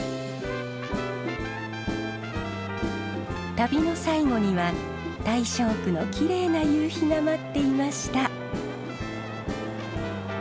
旅の最後には大正区のきれいな夕日が待っていました。